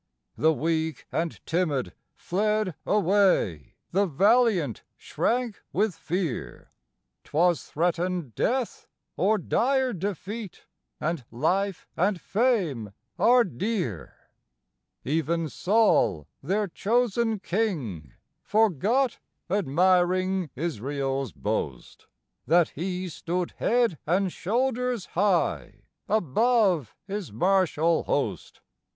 The weak and timid fled away, the valiant shrank with fear; 'Twas threatened death or dire defeat, and life and fame are dear. Even Saul, their chosen king, forgot (admiring Israel's boast!) That he stood head and shoulders high above his martial host.